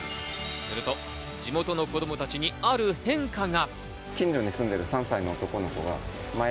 すると地元の子供たちにある変化が。